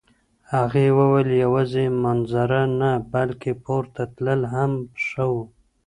هغې وویل یوازې منظره نه، بلکه پورته تلل هم ښه وو.